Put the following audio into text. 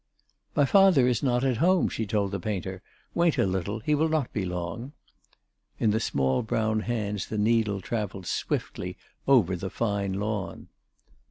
"My father is not at home," she told the painter; "wait a little, he will not be long." In the small brown hands the needle travelled swiftly over the fine lawn.